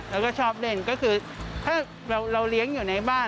แล้วก็ชอบเล่นก็คือถ้าเราเลี้ยงอยู่ในบ้าน